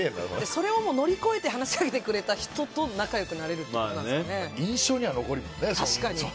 それを乗り越えて話しかけてくれた人と仲良くなれるってこと印象には残りますよね。